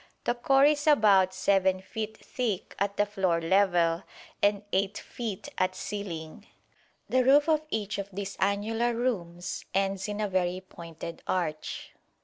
The core is about 7 feet thick at the floor level and 8 feet at ceiling. The roof of each of these annular rooms ends in a very pointed arch.